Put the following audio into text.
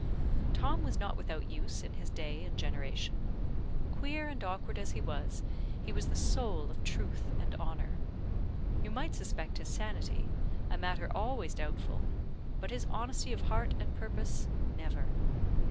Tom was not without use in his day and generation; queer and awkward as he was, he was the soul of truth and honour. You might suspect his sanity a matter always doubtful but his honesty of heart and purpose, never.